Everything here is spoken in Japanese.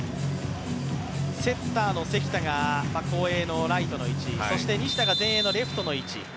セッターの関田が後衛のライトの位置、西田が前衛のレフトの位置。